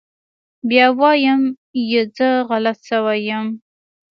بيا وايم يه زه غلط سوى يم.